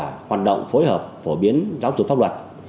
hiệu quả hoạt động phối hợp phổ biến giáo dục pháp luật